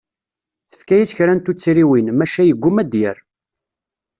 Tefka-yas kra n tuttriwin, maca yegguma ad d-yerr.